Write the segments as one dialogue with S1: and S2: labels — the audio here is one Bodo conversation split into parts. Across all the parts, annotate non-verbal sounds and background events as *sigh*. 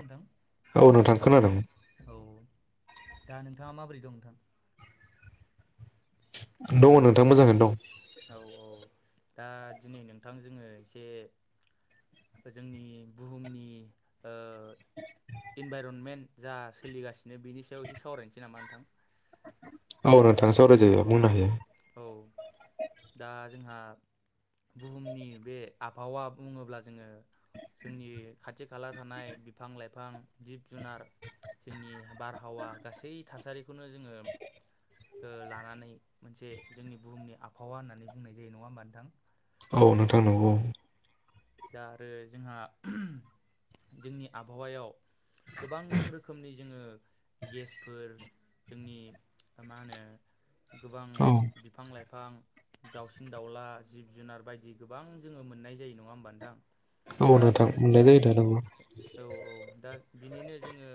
S1: नोंथां
S2: औ नोंथां खोनादोंं।
S1: औ दा नोंथाङा माबोरै दं नोंथां?
S2: दङ' नोंथां मोजाङैनो दं।
S1: औ औ दा दिनै नोंथां जोङो एसे जोंनि बुहुमनि ओ इनभाइरनमेन्ट जा सोलिगासिनो बिनि सायाव एसे सावरायनोसै नामा नोंथां?
S2: औ नोंथां‌ सावरायजायो बुंनो हायो।
S1: औ दा जोंहा बुहुमनि बे आबहावा बुङोब्ला जोङो जोंनि खाथि खाला थानाय बिफां लाइफां जिब जुनार जोंनि बारहावा गासै थासारिखौनो जोङो ओ लानानै मोनसे जोंनि बुहुमनि आबहावा होननानै बुंनाय जायो। नङा होमबा नोंथां?
S2: औ नोंथां नंगौ
S1: दा आरो जोंहा जोंनि आबहावायाव गोबां रोखोमनि जोङो गेसफोर जोंनि मा होनो गोबां
S2: औ
S1: बिफां लाइफ‌ फां दाउसिन दाउला जिब जुनार बायदि गोबां जोङो मोननाय जायो नङा होमबा नोंथां?
S2: औ
S1: दा
S2: नोंथां
S1: बेनिनो
S2: मोननाय जायो दा नंगौ
S1: औ औ दा बिनिनो जोङो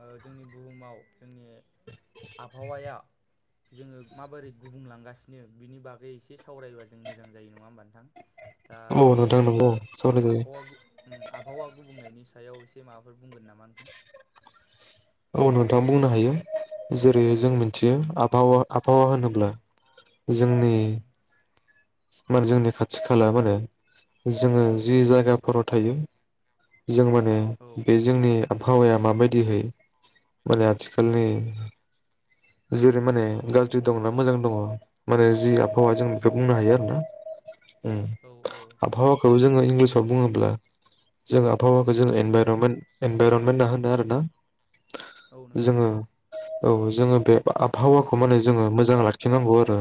S1: ओ जोंनि बुहुमाव जोंनि आबहावाया जोङो माबोरै गुबुंलांगासिनो बिनि बागै एसे सावरायबा जों मोजां जायो नङा होमबा नोंथां? दा
S2: औ नोंथां
S1: नोंथाङा
S2: नंगौ सावरायजायो
S1: आबहावा गु ओम आबहावा गुबुंनायनि सायाव एसे माबाफोर बुंगोन नामा नोंथां?
S2: अ‌ नोंथां बुंनो हायो जेरै जों मोनथियो आबहावा आबहावा होनोब्ला
S1: औ
S2: जोंनि मोन जोंनि खाथि खाला मा होनो जोङो जि जायगाफोराव थायो जों माने बे जोंनि आबहावाया माबायदिहाय माने आथिखालनि जेरै माने गाज्रि दङना मोजां दङ माने जि आबहावा जों बेखौ बुंनो हायो आरो ना। ओम आबहावाखौ जोङो इंलिसाव बुङोब्ला जोंआ हावाखौ
S1: औ
S2: जों इनभाइरमेन्ट इनभाइरमेन्टना होनना होनो आरो ना
S1: औ नोंथां औ
S2: औ जोङो बे आबहावाखौ माने जोङो मोजां लाखिनांगौ आरो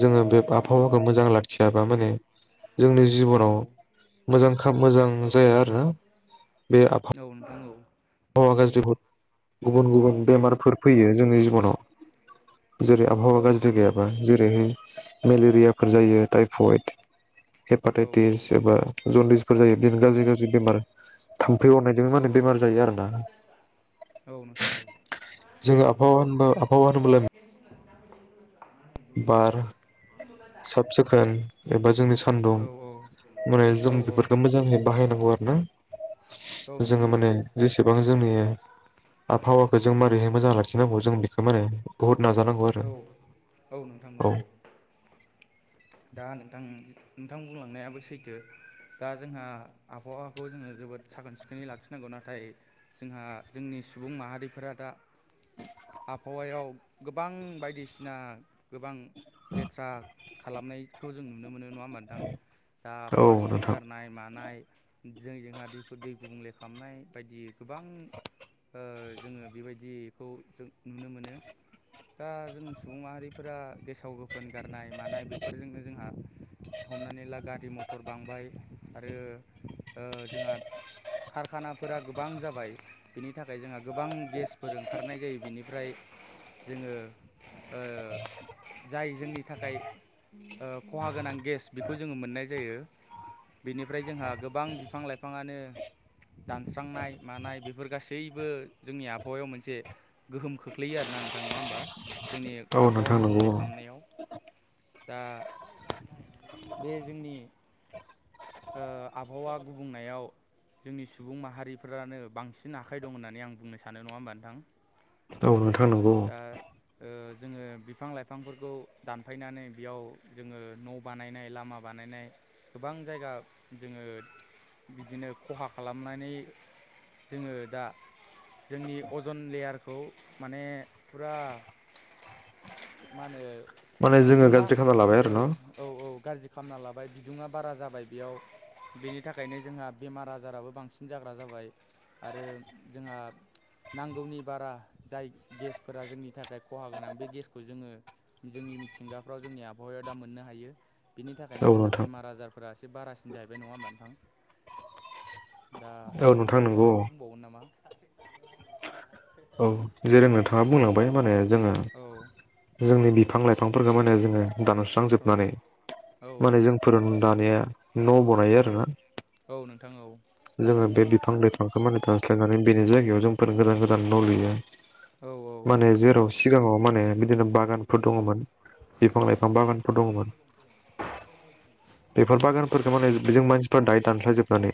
S2: जोङो बे
S1: औ नोंथां
S2: आबहावाखौ मोजां लाखियाबा माने जोंनि
S1: औ
S2: जिबनाव मोजां खाब मोजां
S1: औ
S2: जाया आरो ना बे आबहा
S1: औ नोंथां औ
S2: हावा गाज्रिफोर गुबुन-गुबुन बेमारफोर
S1: औ
S2: फैयो जोंनि जिबनाव। जेरै
S1: औ
S2: आबहावा गाज्रि
S1: नोंथां औ
S2: गैयाबा
S1: औ
S2: जेरैहाय मेलेरियाफोर जायो टाइफयड
S1: औ
S2: हेपाटाइटिस एबा जनदिसफोर जायो बेनो गाज्रि गाज्रि बेमार थामफै
S1: औ
S2: अरनायजों
S1: औ
S2: मानो बेमार जायो आरो दा
S1: औ नोंथां औ नोंथां औ
S2: जोङो आबहावा होनबा आबहावा होनोबोला बार साब सिखोन एबा जोंनि सान्दुं माने जों बेफोरखौ मोजाङै बाहायनां‌ गौ आरोना जोङो माने जेसेबां जोंनि आबहावाखौ जों मारैहाय मोजां लाखिनांगौ जों बेखौ माने बहुत
S1: औ औ नोंथां औ औ दा नोंथां नोंथां बुंलांनायाबो सैथो दा जोंहा आबहावाखौ जोङो जोबोद साखोन सिखोनै लाखिनांगौ नाथाय जोंहा जोंनि सुबुं माहारिफोरा दा आबहावायाव गोब बां बायदिसिना गोबां लेथ्रा खालामनायखौ जों नुनो मोनो नुवा होनबा नोंथां दा
S2: औ
S1: प्लासटिक
S2: नोंथां
S1: गारनाय मानाय जों जोंहा दैखौ दै गुबुंले खालामनाय बायदि गोबां ओ जोङो बेबायदिखौ जों नुनो मोनो दा जों सुबुं माहारिफोरा गेसाव गोफोन गारनाय मानाय बेफोरजोंनो जोंहा हमनानै ला गारि मथर बांबाय आरो ओ जोंहा कारखानाफोरा गोबां जाबाय बिनि थाखाय जोंहा गोबां गेसफोर ओंखारनाय जायो बेनिफ्राय जोङो ओ जाय जोंनि थाखाय ओ खहा गोनां गेस बेखौ जोङो मोननाय जायो। बिनिफ्राय जोंहा गोबां बिफां लाइफाङानो दानस्रांनाय मानाय बेफोर गासैबो जोंनि आबहावायाव मोनसे गोहोम खोख्लैयो आरोना नों थां नङा होमबा जोंनि
S2: औ
S1: आबहावा
S2: नोंथां नंगौ
S1: गुबुंले
S2: औ
S1: खालामनायाव दा बे जोंनि ओ आबहावा गुबुंनायाव जोंनि सुबुं माहारिफ्रानो बांसिन आखाइ दं होननानै आं बुंनो सानो नङा होमबा नोंथां?
S2: औ नोंथां नंगौ
S1: दा
S2: औ।
S1: ओ जोङो बिफां लाइफांफोरखौ दानफायनानै बेयाव जोङो न' बानायनाय लामा बानायनाय गोबां जायगा जोङो बिदिनो खहा खालामनानै जोङो दा जोंनि अजन लेयारखौ माने फुरा माहोनो
S2: माने जोङो
S1: बिदुङा
S2: गाज्रि खालामना लाबाय आरो
S1: ओ
S2: न'
S1: औ-औ गाज्रि खालामना लाबाय बिदुङा बारा जाबाय। बेयाव बेनि थाखायनो जोंहा बेमार आजाराबो बांसिन जाग्रा जाबाय आरो जोंहा नांगौनि बारा जाय गेसफोरा जोंनि थाखाय खहा गोनां बे गेसखौ जोङो जोंनि मिथिंगाफ्राव जोंनि आबहावायाव दा मोननो हायो। बिनि थाखायनो
S2: औ
S1: जोंहा
S2: नोंथां
S1: बेमार आजारफोरा एसे बारासिन जाहैबाय नङा होमबा नोंथां? दा
S2: औ नोंथां
S1: नोंथाङा मा
S2: नंगौ
S1: माबाफोर बुंबावगोन नामा?
S2: औ जेरै नोंथाङा बुंलांबाय माहोनो जोङो
S1: औ
S2: जोंनि बिब फां लाइफांफोरखौ माने जोङो
S1: औ
S2: दानस्रांजोबनानै
S1: औ
S2: माने जोंफोर दानाया न' बनायो
S1: औ
S2: आरोना।
S1: औ नोंथां औ
S2: जोङो बे बिफां लाइफांखौ मान दानस्लायनानै बेनो जाय बेयाव जोंफोर गोदान गोदान न' लुयो।
S1: औ औ
S2: मानो जेराव सिगाङाव माने बिदिनो बागानफोर दङमोन। बिफां लाइफां बागानफोर दङमोन। बेफोर बागानफोरखौ माने बेजों मानसिफ्रा दाय दानस्लायजोबनानै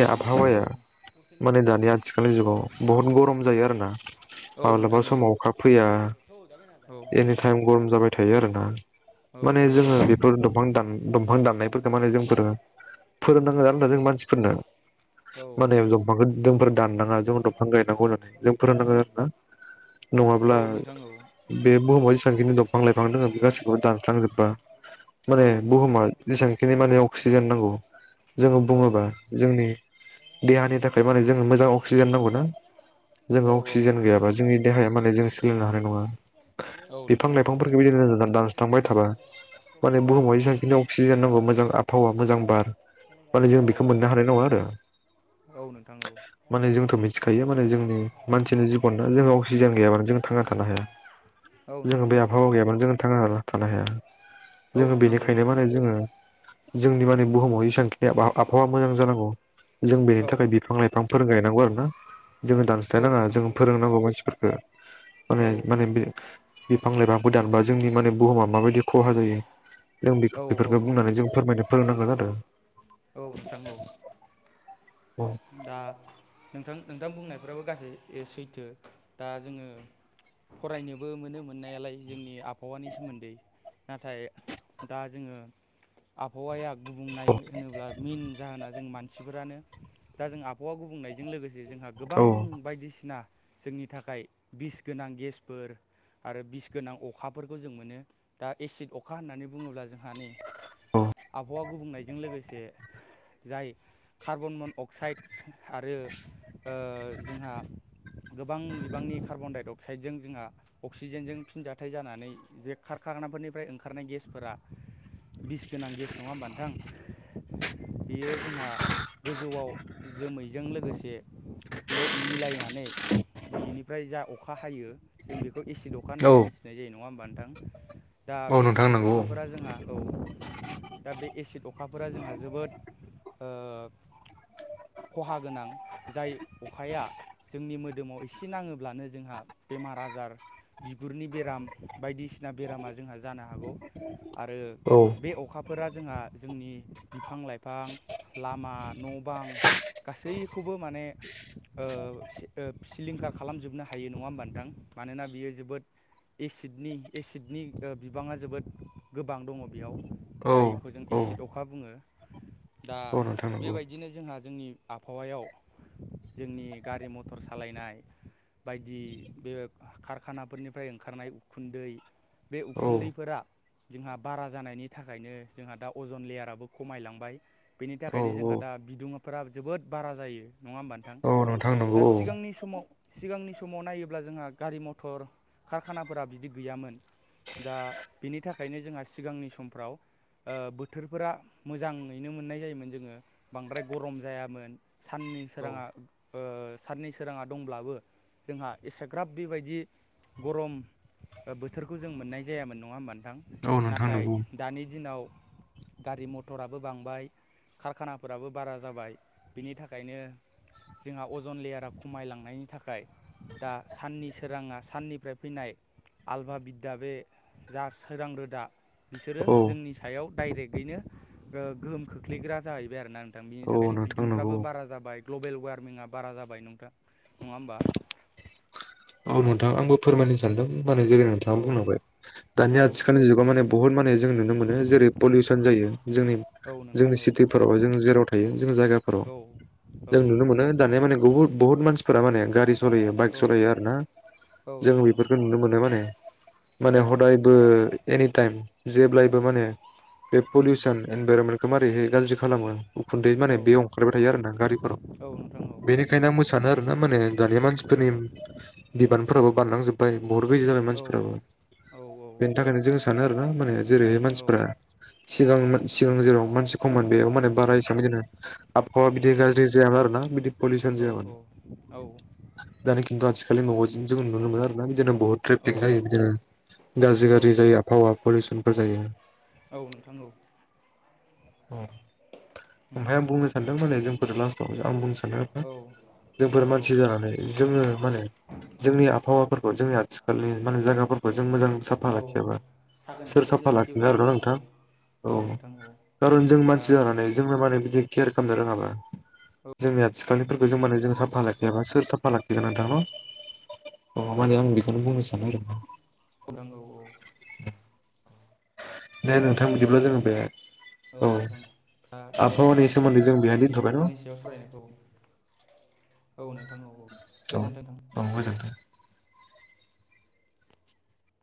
S1: औ नोंथां
S2: आबहावाया
S1: औ
S2: माने दानि आथिखालनि जुगाव बहुत गरम जायो आरोना।
S1: औ
S2: माब्लाबा
S1: नोंथां औ
S2: समाव अखा फैया एनिटाइम गरम जाबाय थायो आरोना।
S1: औ
S2: माने जोङो बेफोर दंफां दान दंफां दाननाय फोरखौ माने जोंफोरो फोरोंनांगौ आरोना जों मानसिफोरनो।
S1: औ
S2: माने दंफांखौ जोंफोर दाननाङा जों दंफां गायनांगौ होननानै जोंफोर होनांगौ आरो ना।
S1: औ
S2: नङाब्ला
S1: नोंथां औ
S2: बे बुहुमाव जेसेबांखिनि दंफां लाइफां दङ बे गाैखौबो दानस्लांजोब्बा।
S1: औ
S2: माने बुहुमा जेसेबांखिनि माने अक्सिजेन नांगौ जोङो
S1: औ
S2: बुङोबा जोंनि देहानि थाखाय माने जोंनो मोजां अक्सिजेन नांगौ ना।
S1: औ
S2: जोंङो अक्सिजेन
S1: नोंथां औ
S2: गैयाबा जोंनि देहाया माने जों सोलिनो हानाय नङा। बिफां
S1: औ
S2: लाइफांफोरखौ बिदिनो
S1: नोंथां
S2: दानस्रांबाय थाबा
S1: औ
S2: माने बुहुमाव
S1: औ
S2: जेसेबांखिनि अक्सिजेन नांगौ
S1: औ
S2: मोजां आबहावा मोजां बार माने जों बेखौ मोननो हानाय नङा आरो।
S1: औ नोंथां औ
S2: माने जोंथ' मिथिखायो माने जों मानसिनि जिबन ना जोंहा अक्सिजेन गैयाबानो जों थांना थानो हाया।
S1: औ नोंथां औ
S2: जोङो
S1: नोंथां
S2: बे
S1: औ
S2: आबहावा गैयाबानो जोङो थांनो हरा थानो हाया
S1: औ नोंथां औ
S2: जोङो बेनिखायनो माने जोङो। जोंनि माने बुहुमाव एसांखिनि आबहावा मोजां जानांगौ जों बेनि
S1: औ
S2: थाखाय बिफां लाइफां फोरगाय नांगौ आरोना जोङो दानस्लायनाङा जों फोरोंनांगौ मानसिफोरखौ। माने
S1: औ
S2: माने बिफां लाइफांफोर दान बा जोंनि माने बुहुमा माबायदि खहा जायो। जों बेफोरखौ बुंनानै जों फोरमायनो फोरोंनांगोन आरो।
S1: औ नोंथां औ। दा नोंथां नोंथां बुंनायफ्राबो गासै ओ सैथो दा जोङो। फरायनोबो मोनो मोननायालाय जोंनि आबहावानि सोमोन्दै। नाथाय दा जोङो आबहावाया गुबुंनाय होनोब्ला मेइेन जाहोना जों मानसिफोरानो दा जों आबहावा गुबुंनायजों लोगोसे जोंहा
S2: औ
S1: गोबां बायदिसिना जोंनि थाखाय बिस गोनां गेसफोर आरो बिस गोनां अखाफोरखौ जों मोनो दा एसिड अखा होननानै बुङोब्ला जों हानि आबहावा गुबुंनायजों लोगोसे जाय कार्बन मन अक्साइड आरो अ जोंहा गोबां बिबांनि कार्बन डाइ अक्साइडजों जोंहा अक्सिजेनजों फिनजथायाइ जानानै जे खारखार अखाफोरनिफ्राय ओंखारनाय गेसफोरा बिस गोनां गेस नङा होमबथां बियो जोंहा गोज जौआव जोमैजों लोगोसे ल मिलायनानै बिनिफ्राय जा अखा हायो जों बेखौ बेखौ एसिड अखा
S2: औ
S1: होननानै मिथिनाय जायो नङा होमबा नोंथां दा
S2: औ
S1: बे
S2: नोंथां
S1: एसिड
S2: नंगौ
S1: अखाफोरा जोंहा औ दा बे एसिड अखाफोरा जोंहा जोबोद ओ
S2: *unintelligible*
S1: खहा गोनां जाय अखाया जोंनि मोदोमाव एसे नाङोब्लानो जोंहा बेमार आजार बिगुरनि बेराम बायदिसिना बेरामा जोंहा जानो हागौ आरो
S2: औ
S1: बे अखाफोरा जोंहा जोंनि बिफां लाइफां लामा न' बां गासैखौबो माने ओ सिलिंखार खालामजोबनो हायो नङा होमबा नोंथां? मानोना बियो जोबोद एसिडनि एसिडनि बिबाङा जोबोद गोबां दङ बेयाव
S2: औ
S1: जायखौ जों
S2: औ
S1: इसिद अखा बुङो दा
S2: औ नोंथां नंगौ
S1: बेबायदिनो जोंहा जोंनि आबहावायाव जोंनि गारि मथर सालायनाय बायदि बे खारखानाफोरनिफ्राय ओंखारनाय उखुन्दै बे
S2: औ
S1: उखुन्दैफोरा जोंहा बारा जानायनि थाखायनो जोंहा दा अजन लेयाराबो खमायलांबाय बेनि थाखाय
S2: औ
S1: ओंखायनो जोंहा दा बिदुङाफोरा जोबोद बारा जायो नङा होमबानोथां?
S2: औ नोंथां नंगौ
S1: दा सिगांनि समाव सिगांनि समाव नायोब्ला जोंहा गारि मथर कारखानाफोरा बिदि गैयामोन दा बिनि थाखायनो जोंहा सिगांनि समफ्राव ओ बोथोरफोरा मोजाङैनो मोननाय जायोमोन जोङो बांद्राय गरम जायामोन साननि सोराङा
S2: औ
S1: ओ साननि सोराङा दंब्लाबो जोंहा एसेग्राब बेबायदि गरम ओ बोथोरखौ जों मोननाय जायामोन नङा होमबा नोंथां
S2: औ नोंथां
S1: नाथाय
S2: नंगौ
S1: दानि दिनाव गारि मथराबो बांबाय कारखानाफोराबो बारा जाबाय बिनि थाखायनो जोंहा अजन लेयारा खमायलांनायनि थाखाय दा साननि सोराङा साननिफ्राय फैनाय आल्भा बिद्दा बे जा सोरां रोदा बिसोरो
S2: औ
S1: जोंनि सायाव डाइरेक्टयैनो गोहोम खोख्लैयो फ्लिग्रा जाहैबाय आरो ना नोंथां बिनि
S2: औ
S1: थाखायनो
S2: नोंथां नंगौ
S1: बिदुंफ्राबो बारा जाबाय ग्लबेल वार्मिंआ बारा जाबाय नोंथां नङा होमबा?
S2: औ नोंथां आंबो फोरमायनो सानदों *inaudible* नोंथाङा
S1: औ
S2: बुंनांबाय दानि
S1: औ
S2: आथिखालनि जुगाव माने बुहुत माने जों नुनो मोनो जेरै पलिउसन जायो जोंनि
S1: औ नोंथां
S2: जोंनि
S1: औ
S2: सिटिफोराव जों जेराव थायो जों जायगाफोराव
S1: औ औ
S2: जों नुनो मोनो दानिया माने बहुद बुहुत मानसिफोरा माने गारि सालायो
S1: औ
S2: बाइक सालायो आरो ना
S1: औ
S2: जों
S1: नोंथां औ
S2: बेफोरखौ नुनो मोनो माने माने
S1: औ
S2: हदायबो एनि टाइम जेब्लायबो माने बे
S1: उम
S2: पलिउसन एनभाइरनमेन्टखौ मारैहाय गाज्रि खालामो उखुन्दै माने
S1: औ
S2: बेयाव ओंखारबाय थायो आरो ना गारिफोराव
S1: औ नोंथां औ
S2: बेनिखायनो आं मोसानो आरो ना माने दानिया मानसिफोरनि *inaudible* बारलांजोबबाय बहुत गैजि जाबाय
S1: औ
S2: मानसिफोराबो
S1: औ
S2: बेनि थाखायनो जों सानो आरोना माने जेरैहाय मानसिफ्रा सिगांमोन सिगां जेराव मानसि खम बेयाव माने बारा हिसाबै बिदिनो आबहावा बिदि गाज्रि जायामोन आरोना बि पलिउसन
S1: औ औ
S2: *inaudible* जों नुनो मोन आरोना *unintelligible* बहुत
S1: औ
S2: ट्रेफिक जायो बिदिनो गाज्रि
S1: औ
S2: गाज्रि जायो आबहावा पलिउसनफोर जायो,
S1: औ नोंथां औ
S2: औ ओमफ्राय आं बुंनो सानदों माने जोंफोर लास्टआव आं बुंनो सानदों आरोना
S1: औ औ
S2: जोंफोर मानसि जानानै जोङो माने जोंनि आबहावाफोरखौ जोंनि आथिखालनि माने जायाफोरखौ खौ जों मोजां साफा
S1: औ
S2: लाखियाबा
S1: साखोन
S2: सोर
S1: सिखोनै
S2: साफा
S1: लाखियोब्ला
S2: लाखिगोन आरो ना
S1: मोजां औ
S2: नोंथां औ
S1: नोंथां औ
S2: खारन जों
S1: दा
S2: मानसि जानानै जोंनो माने बिदि केयार खालामनो रोङाबा
S1: औ
S2: जोंनि आथिख सथानिफोरखौ
S1: औ
S2: जों माने
S1: नोंथां
S2: जों
S1: औ
S2: साफा लाखिआबा सोर साफा लाखिगोन नोंथां न' अ माने आं बेखौनो बुंनो सानो आरो ना
S1: नंगौ औ औ
S2: दे नोंथां बिदिब्ला जोङो बे
S1: औ नोंथां दा इसयावनो
S2: आबहावानि सोमोन्दै
S1: जोङो
S2: जों बेहाय
S1: जोंनि
S2: दोनथ'बाय न'
S1: आबहावानि सायाव सावरायनायखौ
S2: *inaudible*
S1: औ नोंथां औ
S2: औ
S1: गोजोन्थों नोंथां
S2: औ मोजांथ'